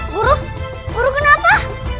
guru guru kenapa